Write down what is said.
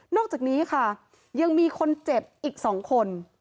อกจากนี้ค่ะยังมีคนเจ็บอีก๒คน